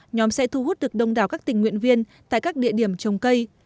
nhóm sẽ thu hút được đông đảo các tình nguyện viên tại các địa điểm trồng cây